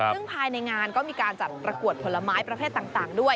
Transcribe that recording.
ซึ่งภายในงานก็มีการจัดประกวดผลไม้ประเภทต่างด้วย